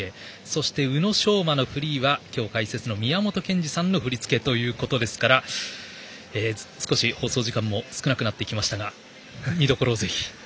そして、宇野昌磨のフリーは今日解説の宮本賢二さんの振り付けということですから少し放送時間も短くなってきましたが見どころを、ぜひ。